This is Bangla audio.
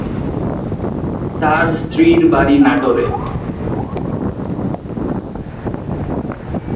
তার স্ত্রীর বাড়ি নাটোরে।